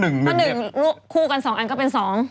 คู่กัน๒อันก็เป็น๒